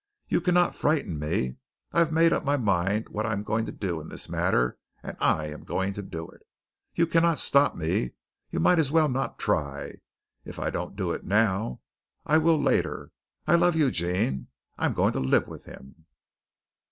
You cannot frighten me. I have made up my mind what I am going to do in this matter, and I am going to do it. You cannot stop me. You might as well not try. If I don't do it now, I will later. I love Eugene. I am going to live with him.